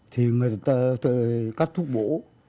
thì người ta cắt thuốc bổ